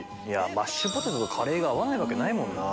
マッシュポテトとカレーが合わないわけないもんな。